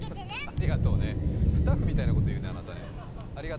ありがとうね、スタッフみたいなこと言うね、あなたね。